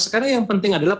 sekarang yang penting adalah